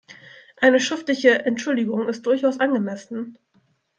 Eine schriftliche Entschuldigung ist durchaus angemessen.